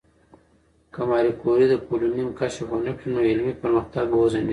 که ماري کوري د پولونیم کشف ونکړي، نو علمي پرمختګ به وځنډېږي.